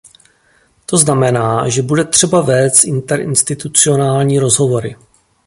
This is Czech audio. To znamená, že bude třeba vést interinstitucionální rozhovory.